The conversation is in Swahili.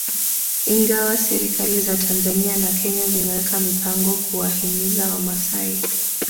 Ingawa serikali za Tanzania na Kenya zimeweka mipango kuwahimiza Wamasai